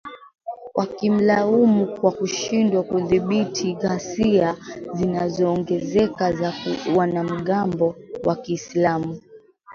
wakimlaumu kwa kushindwa kudhibiti ghasia zinazoongezeka za wanamgambo wa kiislamu